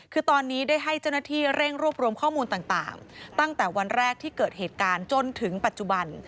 คือตอนนี้ได้ให้เจ้าหน้าที่เร่งรวบรวมข้อมูลต่างตั้งแต่วันแรกที่เกิดเหตุการณ์จนถึงปัจจุบัน